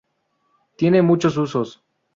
Tiene muchos usos.